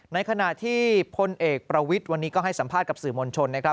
ในขณะที่พลเอกประวิทย์วันนี้ก็ให้สัมภาษณ์กับสื่อมวลชนนะครับ